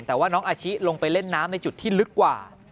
แต่ว่าน้องอาชิลงไปเล่นน้ำในจุดที่ลึกกว่า